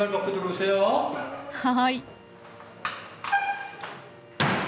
はい。